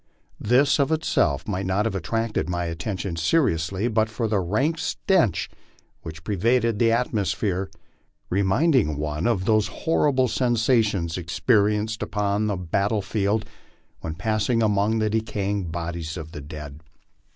This, of itself, might not have attracted my at tention seriously but for the rank stench which pervaded the atmosphere, re minding one of the horrible sensations experienced upon a battle field when passing among the decaying bodies of the dead.